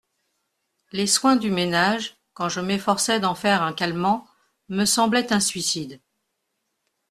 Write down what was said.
Les soins du ménage, quand je m'efforçais d'en faire un calmant, me semblaient un suicide.